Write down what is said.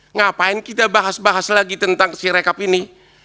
ngapain kita bahas bahas lagi tentang si rekap ini